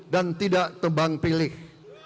dan tidak tebang pilih